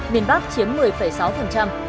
miền bắc chiếm một mươi sáu